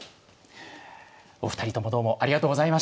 お二人ともどうもありがとうございました。